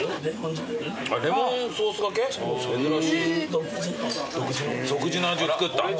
独自の味を作った。